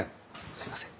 すみません。